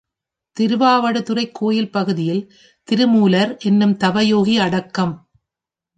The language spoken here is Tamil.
திருவாவடுதுறைக் கோயில் பகுதியில் திருமூலர் என்னும் தவயோகி அடக்கம்.